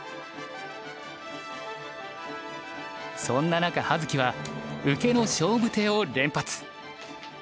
そんな中葉月は受けの勝負手を連発。